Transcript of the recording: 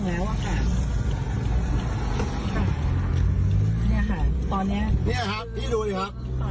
หน้าปากอย่างเงี้ยช่วยประธาชนครับเนี่ยครับเป็นไรก็ไม่ทราบอ่า